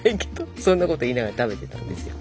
そんなこと言いながら食べてたんですよ。